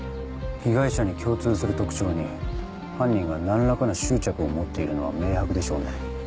被害者に共通する特徴に犯人が何らかの執着を持っているのは明白でしょうね。